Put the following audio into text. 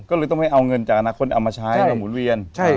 ก็เลยต้องให้เอาเงินจากนักค้นเอามาใช้